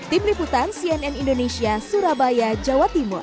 tim liputan cnn indonesia surabaya jawa timur